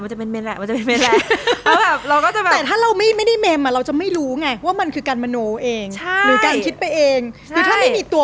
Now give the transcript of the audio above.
มันเป็นเมนแล้วมันจะเป็นเมนแล้ว